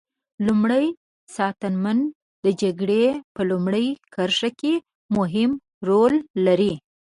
لومری ساتنمن د جګړې په لومړۍ کرښه کې مهم رول لري.